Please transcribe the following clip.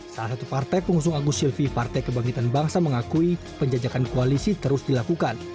salah satu partai pengusung agus silvi partai kebangkitan bangsa mengakui penjajakan koalisi terus dilakukan